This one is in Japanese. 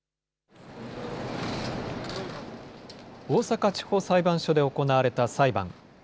大阪地方裁判所で行われた裁判。